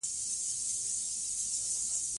بې عدالتي مقاومت زېږوي